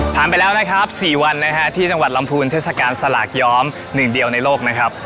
ไปแล้วนะครับ๔วันนะฮะที่จังหวัดลำพูนเทศกาลสลากย้อมหนึ่งเดียวในโลกนะครับ